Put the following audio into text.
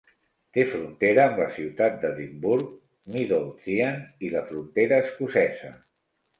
Té frontera amb la ciutat d'Edimburg, Midlothian i la frontera escocesa.